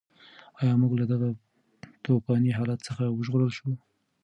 ایا موږ له دغه توپاني حالت څخه وژغورل شوو؟